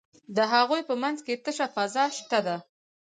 د هغوی په منځ کې تشه فضا شته ده.